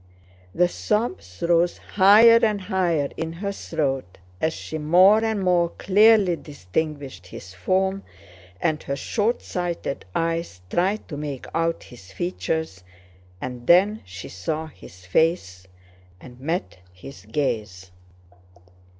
The sobs rose higher and higher in her throat as she more and more clearly distinguished his form and her shortsighted eyes tried to make out his features, and then she saw his face and met his gaze.